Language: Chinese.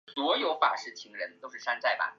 叉毛锯蕨为禾叶蕨科锯蕨属下的一个种。